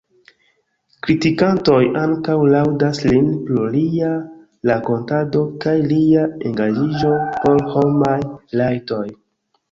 Kritikantoj ankaŭ laŭdas lin pro lia rakontado kaj lia engaĝiĝo por homaj rajtoj.